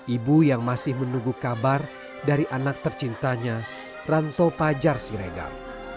ibu yang masih menunggu kabar dari anak tercintanya ranto pajar siregar